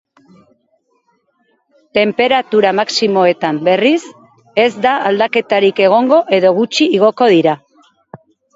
Tenperatura maximoetan, berriz, ez da aldaketarik egongo edo gutxi igoko dira.